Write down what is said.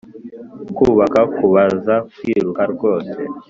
. Kubaka, kubaza, kwiruka rwose